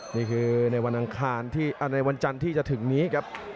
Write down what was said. นี่คือในวันจันทร์ที่จะถึงนี้ครับ